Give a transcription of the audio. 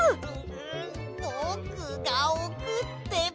んぼくがおくってば！